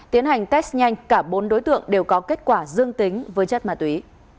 tiến hành test nhanh cả bốn đối tượng đều có kết quả dương tính với chất ma túy